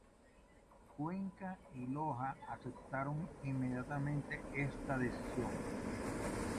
Cuenca y Loja aceptaron inmediatamente esta decisión.